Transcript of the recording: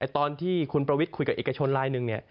ตอนที่คุณประวิทย์คุยกับเอกชนลายหนึ่ง